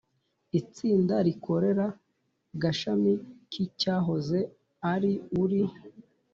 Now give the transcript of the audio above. itsinda rikorera gashami k'icyahoze ari ur